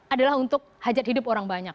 adalah untuk hajat hidup orang banyak